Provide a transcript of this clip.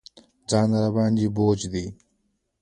ځان راباندې بوج دی.